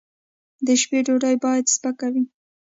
د شپې ډوډۍ باید سپکه وي